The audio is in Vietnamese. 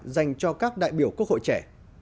dành cho các đại biểu quốc hội trẻ